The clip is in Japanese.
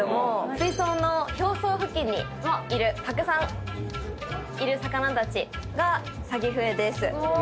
水槽の表層付近にいるたくさんいる魚たちがサギフエです。